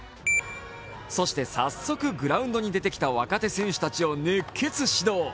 そして早速グラウンドに出てきた若手選手たちを熱血指導。